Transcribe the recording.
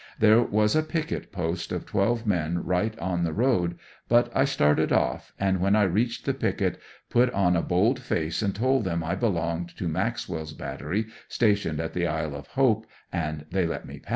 There was a picket post of twelve men right on the road, but I started off, and when I reached the picket put on a bold face and told them I belonged to Maxwell's battery, stationed at the Isle of Hope, and they let me pass.